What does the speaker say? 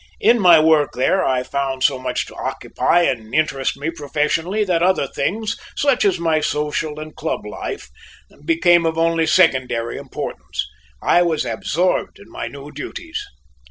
In my work there I found so much to occupy and interest me professionally that other things, such as my social and club life, became of only secondary importance. I was absorbed in my new duties.